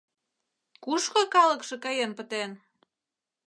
Кушко калыкше каен пытен?